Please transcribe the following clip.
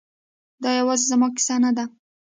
دا یوازې زما کیسه نه ده